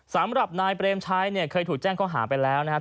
สำหรับนายเปรมชัยเนี่ยเคยถูกแจ้งข้อหาไปแล้วนะครับ